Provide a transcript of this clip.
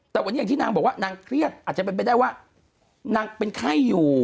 แต่วันนี้อย่างที่นางบอกว่านางเครียดอาจจะเป็นไปได้ว่านางเป็นไข้อยู่